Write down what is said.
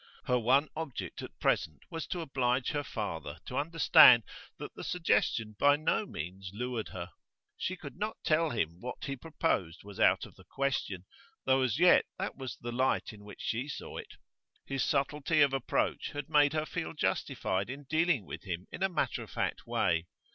Her one object at present was to oblige her father to understand that the suggestion by no means lured her. She could not tell him that what he proposed was out of the question, though as yet that was the light in which she saw it. His subtlety of approach had made her feel justified in dealing with him in a matter of fact way.